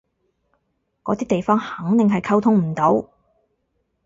嗰啲地方肯定係溝通唔到